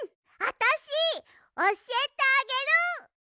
あたしおしえてあげる！